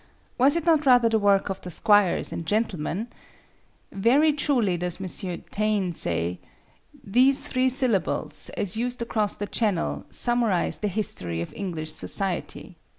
Was it not rather the work of the squires and gentlemen? Very truly does M. Taine say, "These three syllables, as used across the channel, summarize the history of English society."